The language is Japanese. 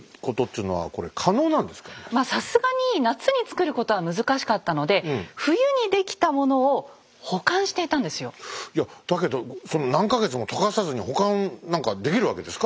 まあさすがに夏につくることは難しかったのでいやだけどそんな何か月も解かさずに保管なんかできるわけですか？